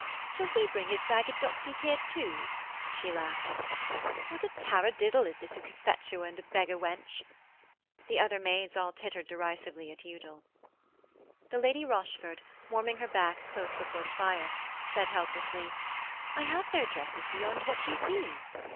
'Shall he bring his ragged doxies here too?' she laughed. 'What a taradiddle is this of Cophetua and a beggar wench.' The other maids all tittered derisively at Udal. The Lady Rochford, warming her back close before the fire, said helplessly, 'I have no dresses beyond what you see.'